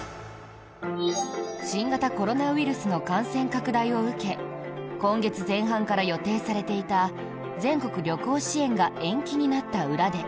新型コロナウイルスの感染拡大を受け今月前半から予定されていた全国旅行支援が延期になった裏で。